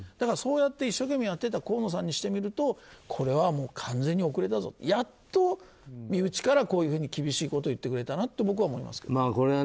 そうやって一生懸命やっていた河野さんからしてみるとこれは完全に遅れだぞやっと身内からこういうふうに厳しいことを言ってくれたなと僕は思います。